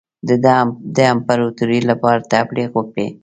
د ده د امپراطوری لپاره تبلیغ وکړي.